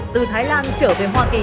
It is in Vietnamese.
từ thái lan trở về hoa kỳ